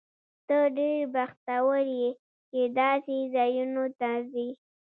ته ډېر بختور یې، چې داسې ځایونو ته ځې.